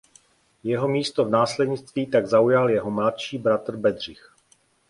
Jeho místo v následnictví tak zaujal jeho mladší bratr Bedřich.